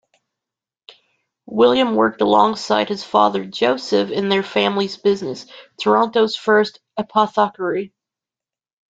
William worked alongside his father Joseph in their family's business - Toronto's first apothecary.